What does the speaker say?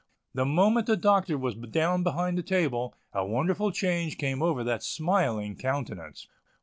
The moment the Doctor was down behind the table, a wonderful change came over that smiling countenance.